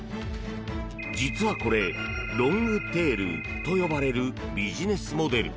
実はこれロングテールと呼ばれるビジネスモデル。